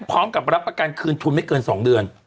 พร้อมกับรับประกันคืนทุนไม่เกิน๒เดือน